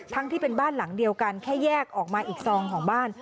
ที่เป็นบ้านหลังเดียวกันแค่แยกออกมาอีกซองของบ้าน